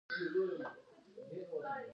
پښتون د کندهار نه تر اټکه یو قوم دی.